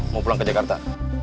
mau pulang ke jakarta